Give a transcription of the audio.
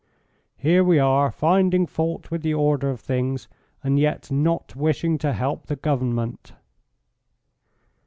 Here we are, finding fault with the order of things, and yet not wishing to help the Government."